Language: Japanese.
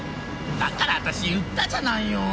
だから私言ったじゃないよ！